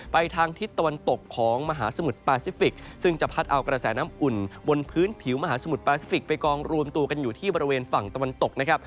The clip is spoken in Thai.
ทางทิศตะวันตกของมหาสมุทรปาซิฟิกซึ่งจะพัดเอากระแสน้ำอุ่นบนพื้นผิวมหาสมุทรปาซิฟิกไปกองรวมตัวกันอยู่ที่บริเวณฝั่งตะวันตกนะครับ